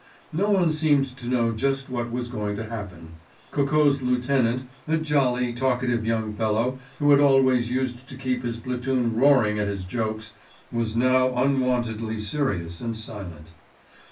No one seemed to know just what was going to happen. Coco's lieutenant, a jolly, talkative young fellow who had always used to keep his platoon roaring at his jokes, was now unwontedly serious and silent.